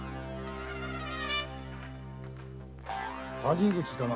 谷口だな。